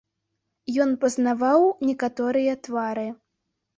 Ён пазнаваў некаторыя твары.